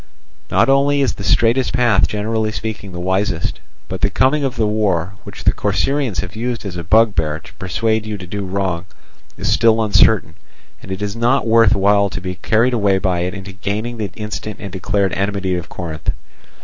Not only is the straightest path generally speaking the wisest; but the coming of the war, which the Corcyraeans have used as a bugbear to persuade you to do wrong, is still uncertain, and it is not worth while to be carried away by it into gaining the instant and declared enmity of Corinth.